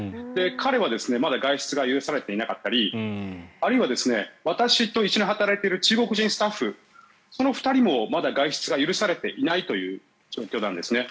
彼はまだ外出が許されていなかったりあるいは私と一緒に働いてくれている中国人スタッフその２人もまだ外出が許されていないという状況なんですね。